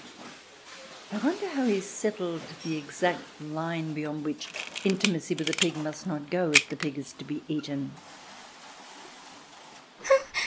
I wonder how he settled the exact line beyond which intimacy with a pig must not go if the pig is to be eaten.